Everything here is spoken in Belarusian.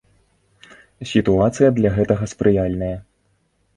Сітуацыя для гэтага спрыяльная.